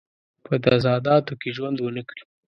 په تضاداتو کې ژوند ونه کړي.